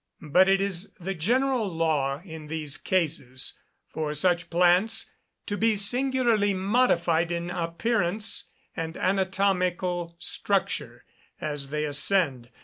But it is the general law in these cases for such plants to be singularly modified in appearance and anatomical structure as they ascend.